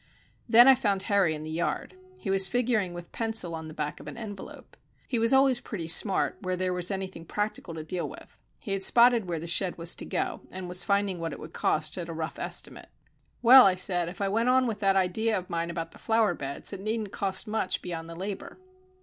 Then I found Harry in the yard. He was figuring with pencil on the back of an envelope. He was always pretty smart where there was anything practical to deal with. He had spotted where the shed was to go, and he was finding what it would cost at a rough estimate. "Well," I said, "if I went on with that idea of mine about the flower beds it needn't cost much beyond the labour."